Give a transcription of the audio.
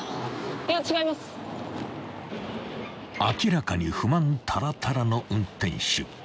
［明らかに不満たらたらの運転手］